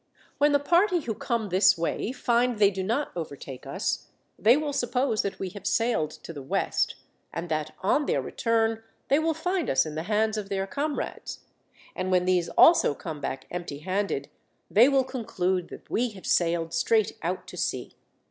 When the party who come this way find they do not overtake us, they will suppose that we have sailed to the west, and that on their return they will find us in the hands of their comrades; and when these also come back empty handed they will conclude that we have sailed straight out to sea.